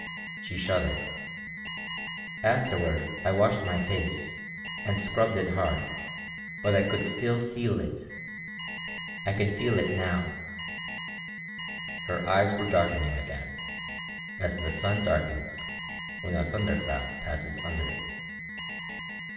She shuddered. "Afterward I washed my face, and scrubbed it hard, but I could still feel it. I can feel it now!" Her eyes were darkening again, as the sun darkens when a thunder cloud passes under it.